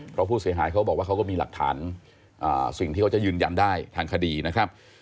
เพราะผู้เสียหายเขาบอกว่าเขาก็มีหลักฐานสิ่งที่เขาจะยืนยันได้ทางคดีนะครับ